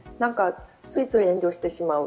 ついつい遠慮してしまう。